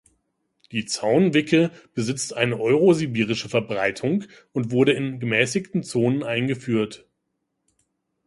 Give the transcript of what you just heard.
Die Zaun-Wicke besitzt eine euro-sibirische Verbreitung und wurde in gemäßigten Zonen eingeführt.